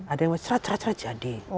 ada yang mencerah cerah cerah jadi